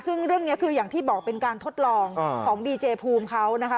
ซึ่งเรื่องนี้คืออย่างที่บอกเป็นการทดลองของดีเจภูมิเขานะคะ